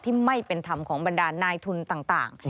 ไม่เป็นธรรมของบรรดานายทุนต่าง